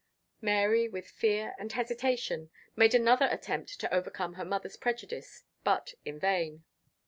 Mary, with fear and hesitation, made another attempt to overcome her mother's prejudice, but in vain.